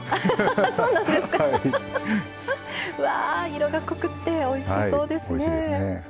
うわ色が濃くっておいしそうですね。